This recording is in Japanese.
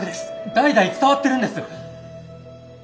代々伝わってるんです！